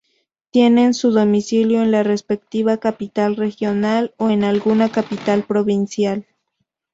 Tienen su domicilio en la respectiva capital regional o en alguna capital provincial.